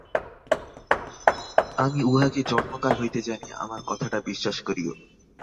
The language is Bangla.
আমি উহাকে জন্মকাল হইতে জানি, আমার কথাটা বিশ্বাস করিয়ো।